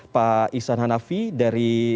pak ihsan hanafi dari